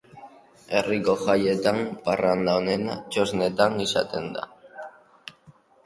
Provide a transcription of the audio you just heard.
Herriko jaietan, parranda onena txoznetan izaten da.